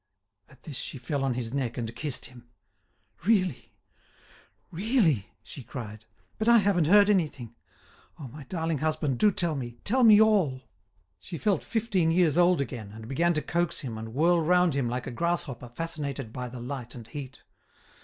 At this she fell on his neck and kissed him. "Really? Really?" she cried. "But I haven't heard anything. Oh, my darling husband, do tell me; tell me all!" She felt fifteen years old again, and began to coax him and whirl round him like a grasshopper fascinated by the light and heat.